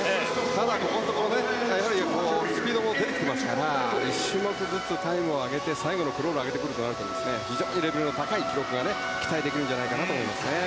ただ、ここのところやはりスピードも出てきていますから１種目ずつタイムを上げて最後のクロールで上げてくるとなると非常にレベルの高い記録が期待できるんじゃないかと思います。